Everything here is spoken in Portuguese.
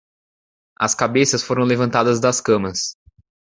As cabeças foram levantadas das camas.